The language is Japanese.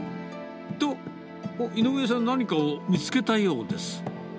と、おっ、井上さん、何かを見つけたようです。